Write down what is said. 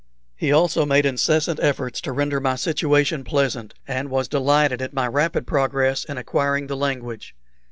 He also made incessant efforts to render my situation pleasant, and was delighted at my rapid progress in acquiring the language.